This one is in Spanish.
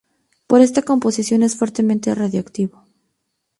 Por esta composición es fuertemente radiactivo.